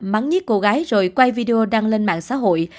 mắn nhí cô gái rồi quay video đăng lên mạng xã hội